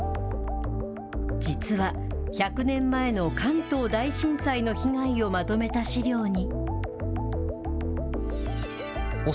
実は、１００年前の関東大震災の被害をまとめた資料に。